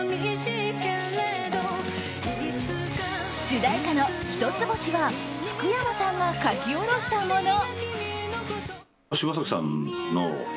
主題歌の「ヒトツボシ」は福山さんが書き下ろしたもの。